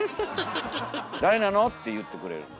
「誰なの？」って言ってくれるんです。